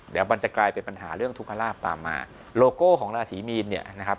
เดี๋ยวมันจะกลายเป็นปัญหาเรื่องทุกขลาบตามมาโลโก้ของราศีมีนเนี่ยนะครับ